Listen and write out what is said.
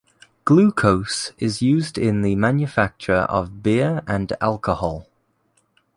Glucose is used in the manufacture of beer and alcohol.